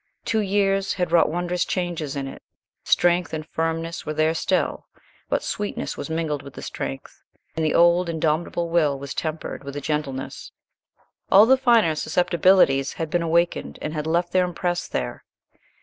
Two years had wrought wondrous changes in it. Strength and firmness were there still, but sweetness was mingled with the strength, and the old, indomitable will was tempered with gentleness. All the finer susceptibilities had been awakened and had left their impress there.